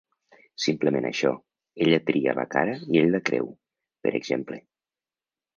Simplement això: "ella tria la cara i ell la creu", per exemple.